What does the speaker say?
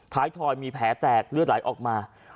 ทอยมีแผลแตกเลือดไหลออกมา